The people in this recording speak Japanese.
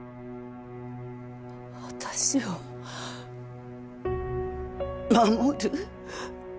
私を守る？